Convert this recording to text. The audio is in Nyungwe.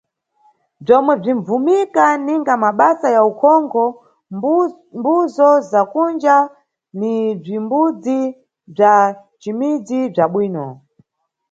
Bzomwe bzimʼbvumika ninga mabasa ya ukhonkho mʼmbuzo za kunja ni bzimbudzi bza nʼcimidzi bza bwino.